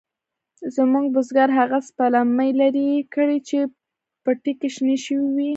زموږ بزگر هغه سپلمۍ لرې کړې چې پټي کې شنې شوې وې.